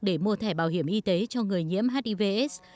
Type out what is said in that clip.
để mua thẻ bảo hiểm y tế cho người nhiễm hivs